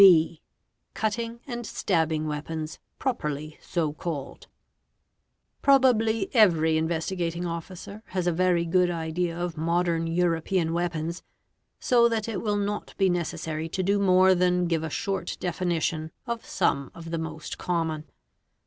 B. Cutting and stabbing weapons properly so called. _+Probably every Investigating Officer has a very good idea of modern Kuropean weapons so that it will not be necessary to do more than give 1 short definition of some of the most common.